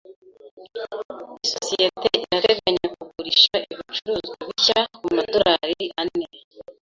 Isosiyete irateganya kugurisha ibicuruzwa bishya ku madorari ane